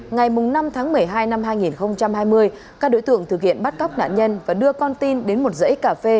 ngày năm tháng một mươi hai năm hai nghìn hai mươi các đối tượng thực hiện bắt cóc nạn nhân và đưa con tin đến một dãy cà phê